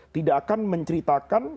tidak akan menceritakan